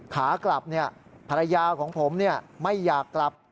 ขากลับภรรยาของผมไม่อยากกลับ